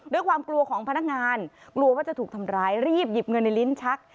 ด้วยความกลัวของพนักงานกลัวว่าจะถูกทำร้ายรีบหยิบเงินในลิ้นชัก